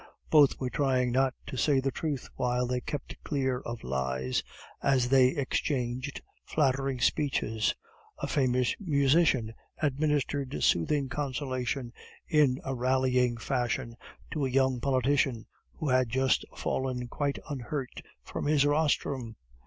Both were trying not to say the truth while they kept clear of lies, as they exchanged flattering speeches. A famous musician administered soothing consolation in a rallying fashion, to a young politician who had just fallen quite unhurt, from his rostrum.